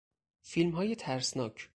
فیلمهای ترسناک